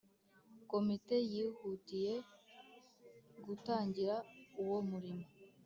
Komite yihutiye gutangira uwo murimo,